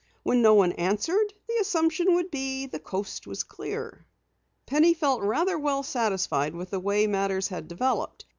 When no one answered, the assumption would be that the coast was clear." Penny felt rather well satisfied with the way matters had developed.